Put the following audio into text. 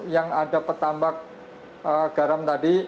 yang ada petambak garam tadi